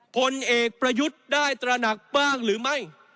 ผลเอกประยุทธ์ได้ตระหนักบ้างหรือไม่